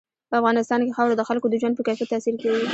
په افغانستان کې خاوره د خلکو د ژوند په کیفیت تاثیر کوي.